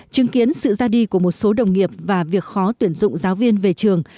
chứng kiến sự ra đi của một số đồng nghiệp và việc khó tuyển dụng giáo viên về trường